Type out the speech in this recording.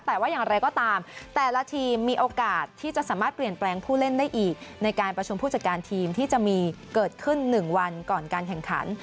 แต่ว่าอย่างไรก็ตามแต่ละทีมมีโอกาสที่จะสามารถเปลี่ยนแปลงผู้เล่นได้อีกในการประชุมผู้จัดการทีมที่จะมีเกิดขึ้น๑วันก่อนการแข่งขัน